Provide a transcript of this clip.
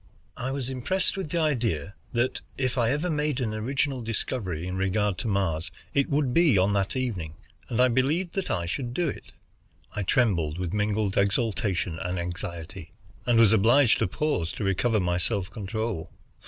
I was impressed with the idea that if I ever made an original discovery in regard to Mars, it would be on that evening, and I believed that I should do it. I trembled with mingled exultation and anxiety, and was obliged to pause to recover my self control.